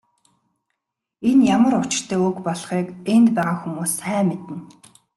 Энэ ямар учиртай үг болохыг энд байгаа хүмүүс сайн мэднэ.